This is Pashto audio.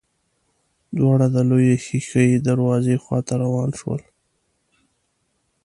دواړه د لويې ښېښه يي دروازې خواته روان شول.